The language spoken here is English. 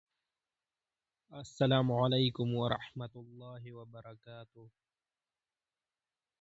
At some point, lengths were standardized by cubit rods.